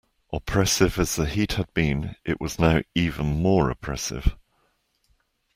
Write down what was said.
Oppressive as the heat had been, it was now even more oppressive.